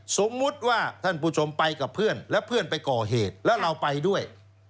สมมุติว่าท่านผู้ชมไปกับเพื่อนแล้วเพื่อนไปก่อเหตุแล้วเราไปด้วย